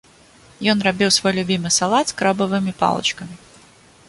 Ён рабіў свой любімы салат з крабавымі палачкамі.